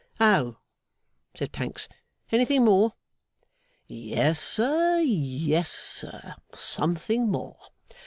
'Oh,' said Pancks. 'Anything more?' 'Yes, sir, yes, sir. Something more.